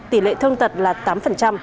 tỷ lệ thương tật là tám